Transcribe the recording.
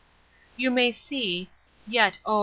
You may see—(Yet, oh!